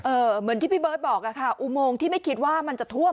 เหมือนที่พี่เบิร์ตบอกอะค่ะอุโมงที่ไม่คิดว่ามันจะท่วม